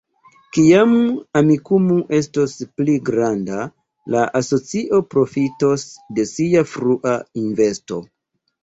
Kiam Amikumu estos pli granda, la asocio profitos de sia frua investo.